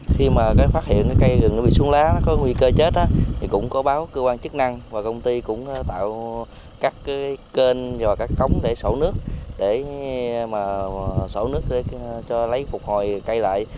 khi mà phát hiện cây rừng bị xuống lá có nguy cơ chết thì cũng có báo cơ quan chức năng và công ty cũng tạo các cơn và các cống để sổ nước để sổ nước cho lấy phục hồi cây lại